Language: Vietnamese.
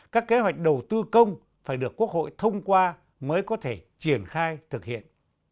các kế hoạch đầu tư công phải được quốc hội thông qua mới có thể triển khai thực hiện